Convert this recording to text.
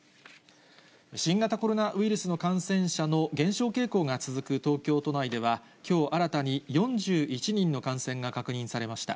新型コロナウイルスの感染者の減少傾向が続く東京都内では、きょう新たに４１人の感染が確認されました。